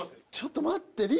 ちょっと待って。